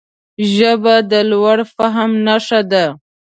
ژبه د لوړ فهم نښه ده